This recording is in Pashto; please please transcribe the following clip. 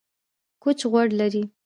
کوچ غوړ لري